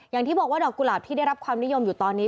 อย่างที่บอกว่าดอกกุหลาบที่ได้รับความนิยมอยู่ตอนนี้